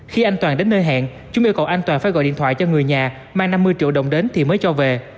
khi anh toàn đến nơi hẹn chúng yêu cầu anh toàn phải gọi điện thoại cho người nhà mang năm mươi triệu đồng đến thì mới cho về